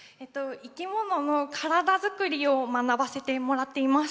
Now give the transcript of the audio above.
生き物の体づくりを学ばせてもらっています。